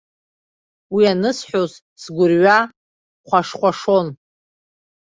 Уи анысҳәоз, сгәырҩа хәашхәашон.